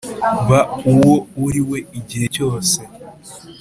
ba uwo uri we igihe cyose,